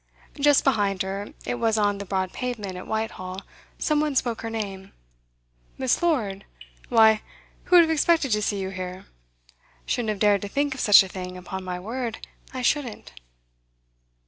Just behind her it was on the broad pavement at Whitehall some one spoke her name. 'Miss. Lord! Why, who would have expected to see you here? Shouldn't have dared to think of such a thing; upon my word, I shouldn't!